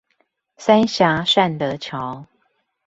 三峽善德橋